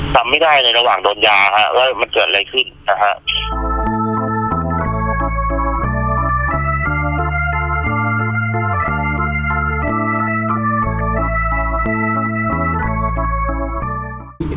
จำไม่ได้เลยระหว่างโดนยาว่ามันเกิดอะไรขึ้น